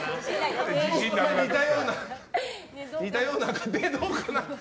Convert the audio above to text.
似たようなどうかなって。